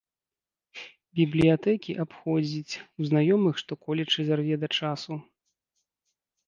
Бібліятэкі абходзіць, у знаёмых што-колечы зарве да часу.